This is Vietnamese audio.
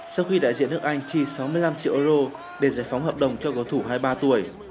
sau khi đại diện nước anh chi sáu mươi năm triệu euro để giải phóng hợp đồng cho cầu thủ hai mươi ba tuổi